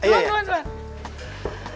makan dulu makan dulu